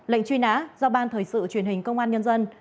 lệnh truy nã do ban thời sự truyền hình công an nhân dân